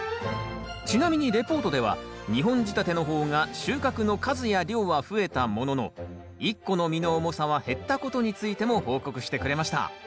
ちなみにレポートでは２本仕立ての方が収穫の数や量は増えたものの１個の実の重さは減ったことについても報告してくれました。